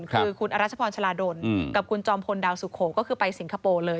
คือคุณอรัชพรชลาดลกับคุณจอมพลดาวสุโขก็คือไปสิงคโปร์เลย